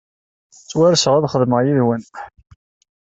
Ttwarseɣ ad xedmeɣ yid-wen.